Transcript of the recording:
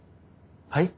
はい？